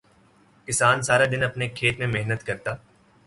کسان سارا دن اپنے کھیت میں محنت کرتا